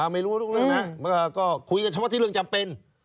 ไม่รู้ทุกเรื่องนะก็คุยกันเฉพาะที่เรื่องจำเป็น